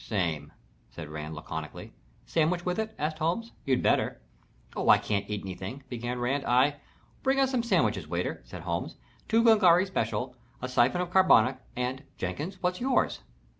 "Same," said Rand, laconically. "Sandwich with it?" asked Holmes. "You'd better." "Oh, I can't eat anything," began Rand. "I " "Bring us some sandwiches, waiter," said Holmes. "Two Glengarry special, a syphon of carbonic, and Jenkins, what's yours?"